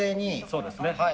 そうですね。